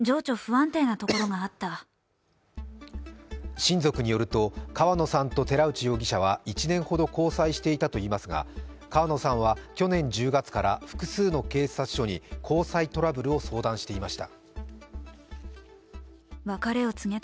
親族によると川野さんと寺内容疑者は１年ほど交際していたといいますが川野さんは去年１０月から複数の警察署に交際トラブルを相談していました。